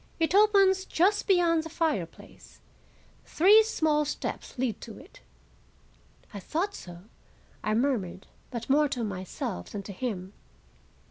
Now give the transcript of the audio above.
"It opens just beyond the fireplace. Three small steps lead to it." "I thought so," I murmured, but more to myself than to him.